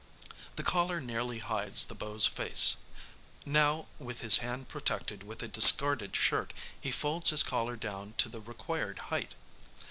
The collar nearly hides the Beau's face. Now, with his hand protected with a discarded shirt, he folds his collar down to the required height.